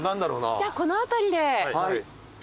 じゃあこの辺りで。